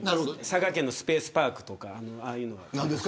佐賀県のスペースパークとかああいうの。